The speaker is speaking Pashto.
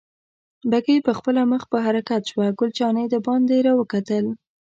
بګۍ پخپله مخ په حرکت شوه، ګل جانې دباندې را وکتل.